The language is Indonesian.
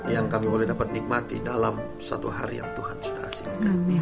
yang kami boleh dapat nikmati dalam satu hari yang tuhan sudah asing